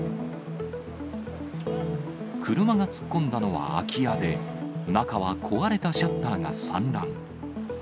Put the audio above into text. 車が突っ込んだのは空き家で、中は壊れたシャッターが散乱。